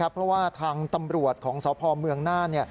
เพราะว่าทางตำรวจของสพเมืองน่าน